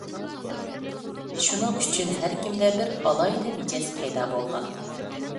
شۇنىڭ ئۈچۈن ھەر كىمدە بىر ئالاھىدە مىجەز پەيدا بولغان.